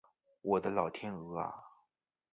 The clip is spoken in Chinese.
我的老天鹅啊